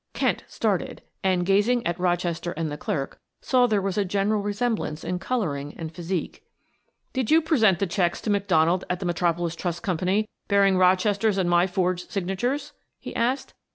Kent started and, gazing at Rochester and the clerk, saw there was a general resemblance in coloring and physique. "Did you present the checks to McDonald at the Metropolis Trust Company bearing Rochester's and my forged signatures?" he asked.